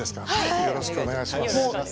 よろしくお願いします。